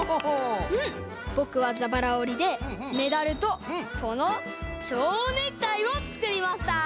ぼくはじゃばらおりでメダルとこのちょうネクタイをつくりました。